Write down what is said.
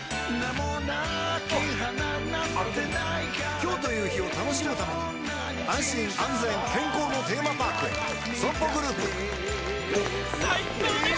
今日という日を楽しむために安心安全健康のテーマパークへＳＯＭＰＯグループ